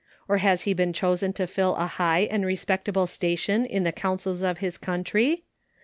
Or has he been chosen to fill a high and respectable station in the councils of his country